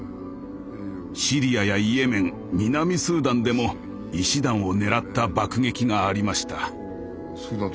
シリアやイエメン南スーダンでも医師団を狙った爆撃がありました。